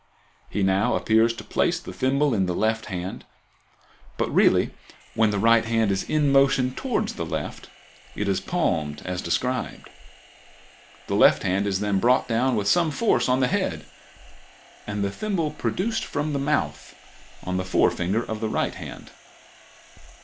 He now appears to place the thimble in the left hand, but really, when the right hand is in motion towards the left, it is palmed as described. The left hand is then brought down with some force on the head and the thimble produced from the mouth on the forefinger of the right hand.